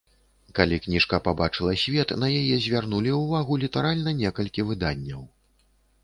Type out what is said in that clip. Калі кніжка пабачыла свет, на яе звярнулі ўвагу літаральна некалькі выданняў.